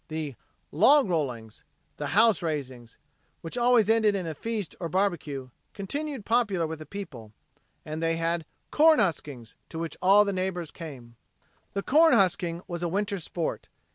The "log rollings," the "house raisings," which always ended in a feast or barbecue, continued popular with the people. And they had "corn huskings," to which all the neighbors came. The "corn husking" was a winter sport.